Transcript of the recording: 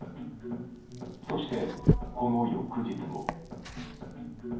そして、この翌日も。